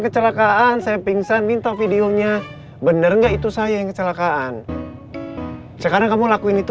kecelakaan saya pingsan minta videonya bener enggak itu saya yang kecelakaan sekarang kamu lakuin itu